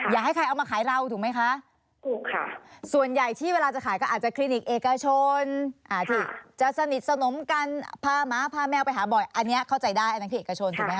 ค่ะใช่ค่ะอย่าให้ใครเอามาขายเราถูกไหมคะ